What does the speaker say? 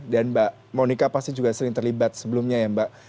dan mbak monika pasti juga sering terlibat sebelumnya ya mbak